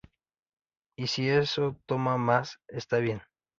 Y sí eso toma más, está bien.